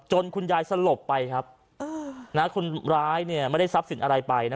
คุณยายสลบไปครับคนร้ายไม่ได้ทรัพย์สินอะไรไปนะ